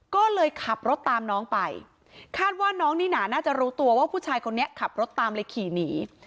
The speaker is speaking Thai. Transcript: ก็เลยขับรถตามน้องไปคาดว่าน้องนี่หนาน่าจะรู้ตัวว่าผู้ชายคนนี้ขับรถตามเลยขี่หนี